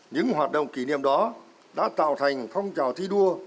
những hoạt động kỷ niệm đó đã tạo thành phong trào thi đua